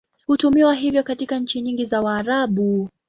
Hutumiwa hivyo katika nchi nyingi za Waarabu.